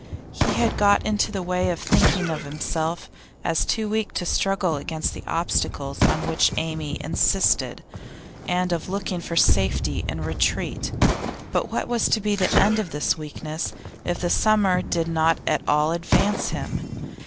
He had got into the way of thinking of himself as too weak to struggle against the obstacles on which Amy insisted, and of looking for safety in retreat; but what was to be the end of this weakness if the summer did not at all advance him?